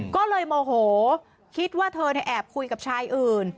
ก็เลยโมโหคิดว่าเธอแอบคุยกับชายอื่น